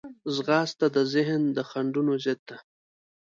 ځغاسته د ذهن د خنډونو ضد ده